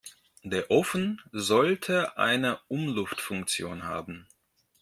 Der Ofen sollte eine Umluftfunktion haben.